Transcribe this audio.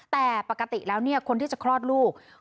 แต่ปกติแล้วเนี่ยคนที่จะคลอดลูก